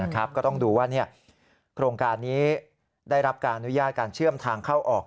ก็ต้องดูว่าโครงการนี้ได้รับการอนุญาตการเชื่อมทางเข้าออก